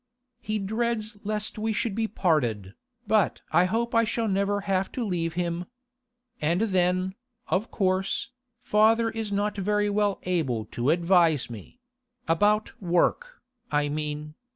He dreads lest we should be parted, but I hope I shall never have to leave him. And then, of course, father is not very well able to advise me—about work, I mean.